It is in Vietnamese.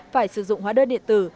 phải sử dụng hóa đơn điện tử